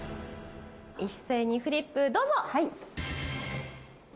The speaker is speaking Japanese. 一斉にフリップ、どうぞ。